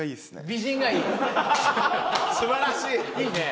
すばらしい。